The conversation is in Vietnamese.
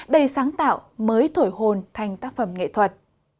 đầy sáng tạo mới thổi hồn thành tác phẩm nghệ thuật